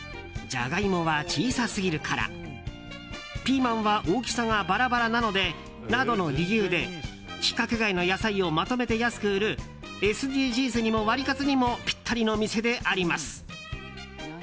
ジャガイモは小さすぎるからピーマンは大きさがバラバラなのでなどの理由で規格外の野菜をまとめて安く売るＳＤＧｓにもワリカツにもぴったりのお店であります。